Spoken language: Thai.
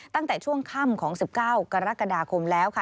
ตั้งแต่ช่วงค่ำของ๑๙กรกฎาคมแล้วค่ะ